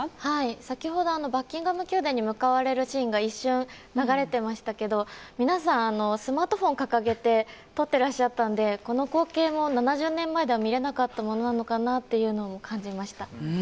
先ほどバッキンガム宮殿に向かわれるシーンが一瞬、流れていましたが皆さん、スマートフォン掲げて撮ってらっしゃったのでこの光景も７０年前では見られなかったものなのかなと感じました。